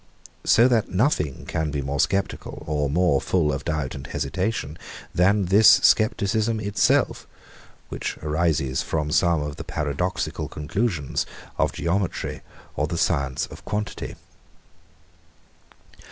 So that nothing can be more sceptical, or more full of doubt and hesitation, than this scepticism itself, which arises from some of the paradoxical conclusions of geometry or the science of quantity.